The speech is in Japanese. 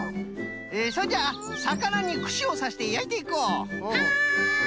それじゃあさかなにくしをさしてやいていこう！